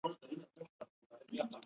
اوجوشي د ژمي مېوه ده.